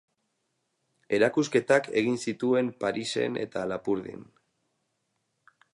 Erakusketak egin zituen Parisen eta Lapurdin.